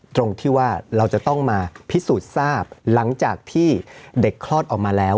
ตรงที่ว่าเราจะต้องมาพิสูจน์ทราบหลังจากที่เด็กคลอดออกมาแล้ว